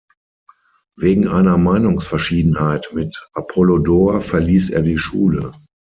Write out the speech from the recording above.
Wegen einer Meinungsverschiedenheit mit Apollodor verließ er die Schule.